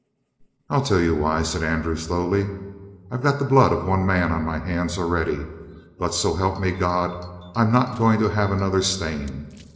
"I'll tell you why," said Andrew slowly. "I've got the blood of one man on my hands already, but, so help me God, I'm not going to have another stain.